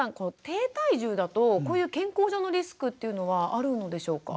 低体重だとこういう健康上のリスクっていうのはあるのでしょうか？